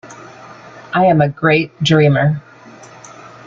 I am a great dreamer.